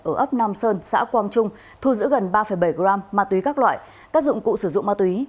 ở ấp nam sơn xã quang trung thu giữ gần ba bảy gram ma túy các loại các dụng cụ sử dụng ma túy